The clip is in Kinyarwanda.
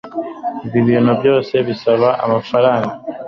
Ibi bintu byose bisaba amafaranga